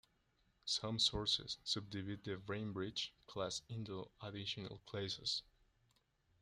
Some sources subdivide the "Bainbridge" class into additional classes.